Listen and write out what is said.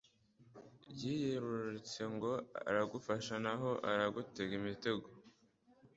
yiyerurutse ngo aragufasha, naho aragutega imitego